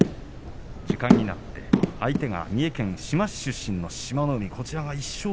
時間になって相手が三重県志摩市出身の志摩ノ海。